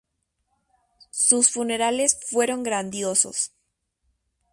Sus funerales fueron grandiosos.